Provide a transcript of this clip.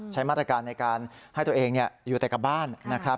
ใช้มาตรการในการให้ตัวเองอยู่แต่กลับบ้านนะครับ